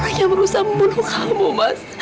orang yang berusaha membunuh kamu mas